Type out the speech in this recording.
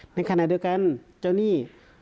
ในขณะเดียวกันเจ้าหนี้